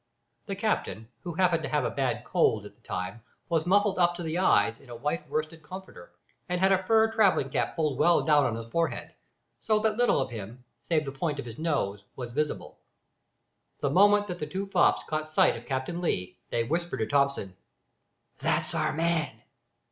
The captain, who happened to have a bad cold at the time, was muffled up to the eyes in a white worsted comforter, and had a fur travelling cap pulled well down on his forehead, so that little of him, save the point of his nose, was visible. The moment that the two fops caught sight of Captain Lee, they whispered to Thomson "That's our man."